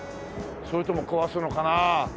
それとも壊すのかなあ。